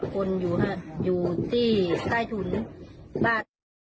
คนอยู่ที่ใต้ถุนบ้าน